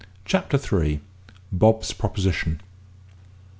CHAPTER THREE. BOB'S PROPOSITION.